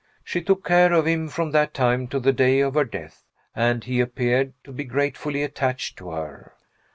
She took care of him from that time to the day of her death and he appeared to be gratefully attached to her.